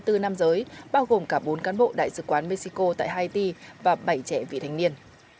trong số ba mươi năm giới bao gồm cả bốn cán bộ đại sứ quán mexico tại haiti và bảy trẻ vị thành niên